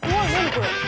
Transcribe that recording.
これ。